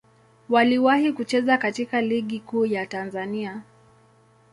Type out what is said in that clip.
Waliwahi kucheza katika Ligi Kuu ya Tanzania.